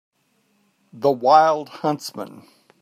The wild huntsman.